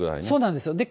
そうなんですよ。